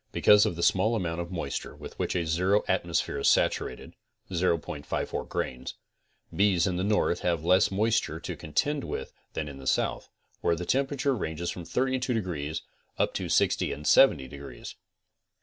Because of the small amount of moisture with which a zero atmosphere is saturated (0.54 grains) bees in the north have less moisture to contend with than in the south, where the tem perature ranges from 32 degrees up to 60 and 70 degrees.